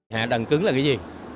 hạ tầng cứng là cái gì